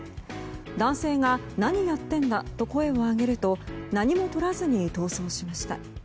男性が何やってんだと声を上げると何も取らずに逃走しました。